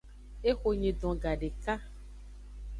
Ehonyidon gadeka.